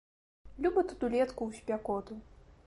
Люба тут улетку ў спякоту!